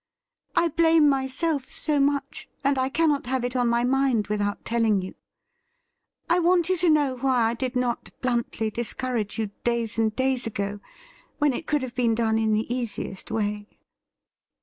' I blame myself so much, and I cannot have it on my mind without telling you. I want you to know why I did not bluntly discourage you days and days ago, when it could have been done in the easiest way.'